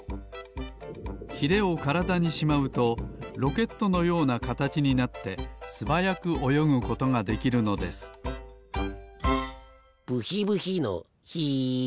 ヒレをからだにしまうとロケットのようなかたちになってすばやくおよぐことができるのですブヒブヒのヒ。